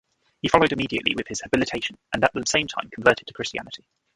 He followed immediately with his Habilitation and at the same time converted to Christianity.